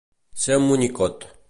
Ser un monyicot.